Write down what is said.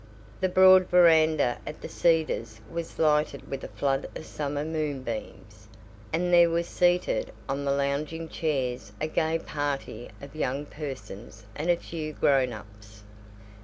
The broad veranda at the Cedars was lighted with a flood of summer moonbeams, and there was seated on the lounging chairs a gay party of young persons and a few "grown ups."